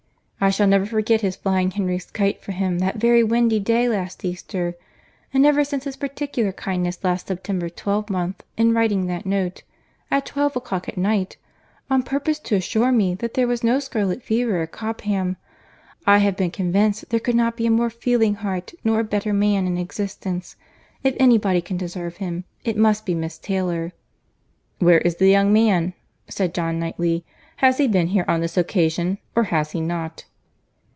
I shall never forget his flying Henry's kite for him that very windy day last Easter—and ever since his particular kindness last September twelvemonth in writing that note, at twelve o'clock at night, on purpose to assure me that there was no scarlet fever at Cobham, I have been convinced there could not be a more feeling heart nor a better man in existence.—If any body can deserve him, it must be Miss Taylor." "Where is the young man?" said John Knightley. "Has he been here on this occasion—or has he not?"